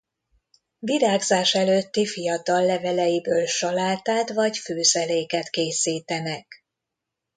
Virágzás előtti fiatal leveleiből salátát vagy főzeléket készítenek.